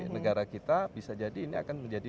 negara kita bisa jadi ini akan menjadi